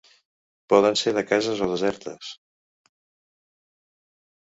Poden ser de cases o desertes.